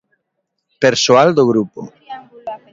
Persoal do grupo.